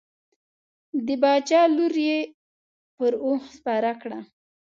د باچا لور یې پر اوښ سپره کړه.